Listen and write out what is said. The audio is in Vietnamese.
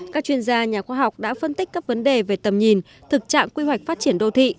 các chuyên gia nhà khoa học đã phân tích các vấn đề về tầm nhìn thực trạng quy hoạch phát triển đô thị